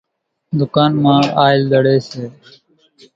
ۮُڪانَ مان ٿِي آئل زڙيَ سي۔